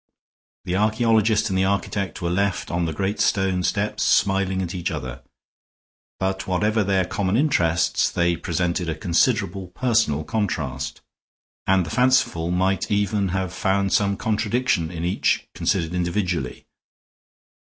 The archaeologist and the architect were left on the great stone steps smiling at each other; but whatever their common interests, they presented a considerable personal contrast, and the fanciful might even have found some contradiction in each considered individually.